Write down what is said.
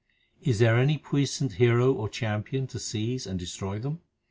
Is there any puissant hero or champion to seize and destroy them